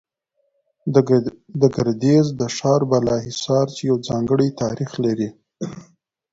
د ګردېز د ښار بالا حصار، چې يو ځانگړى تاريخ لري